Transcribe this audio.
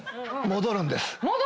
戻るんです。